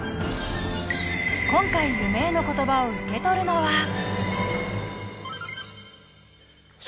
今回夢への言葉を受け取るのは。